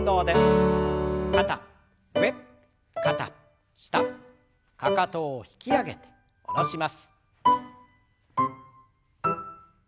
かかとを引き上げて下ろします。